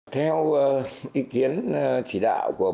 theo ý kiến chỉ đạo của bộ